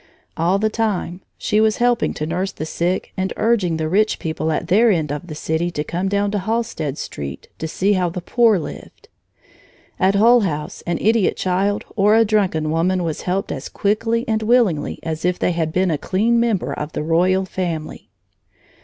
All the time, she was helping to nurse the sick and urging the rich people at their end of the city to come down to Halstead Street to see how the poor lived. At Hull House an idiot child or a drunken woman was helped as quickly and willingly as if they had been a clean member of the royal family.